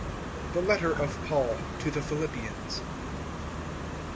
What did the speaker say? THE LETTER OF PAUL TO THE PHILIPPIANS.